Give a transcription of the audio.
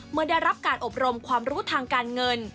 เมื่อได้รับการอบรมความรู้ทางการเงิน